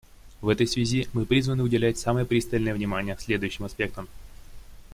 В этой связи мы призваны уделять самое пристальное внимание следующим аспектам.